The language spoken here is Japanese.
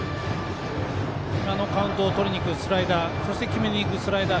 カウントを取りにいくスライダーそして決めにいくスライダー